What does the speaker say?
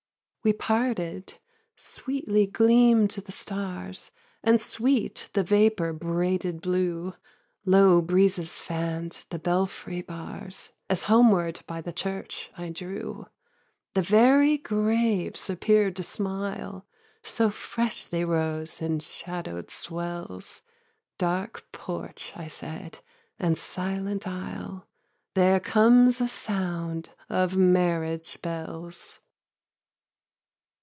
6. We parted: sweetly gleam'd the stars, And sweet the vapour braided blue, Low breezes fann'd the belfry bars, As homeward by the church I drew. The very graves appear'd to smile, So fresh they rose in shadow'd swells; 'Dark porch,' I said, 'and silent aisle There comes a sound of marriage bells.'